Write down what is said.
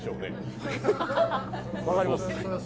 分かります。